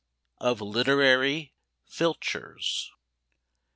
OF LITERARY FILCHERS.